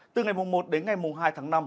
từ ngày mùng một đến ngày mùng hai tháng năm